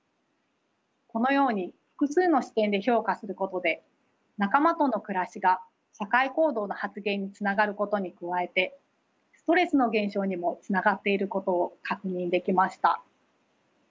このように複数の視点で評価することで仲間との暮らしが社会行動の発現につながることに加えてストレスの減少にもつながっていることを確認できました。